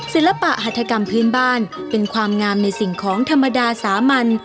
ศิลปะหัฐกรรมพื้นบ้านเป็นความงามในสิ่งของธรรมดาสามัญ